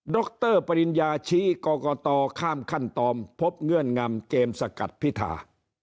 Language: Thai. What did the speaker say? รปริญญาชี้กรกตข้ามขั้นตอนพบเงื่อนงำเกมสกัดพิธา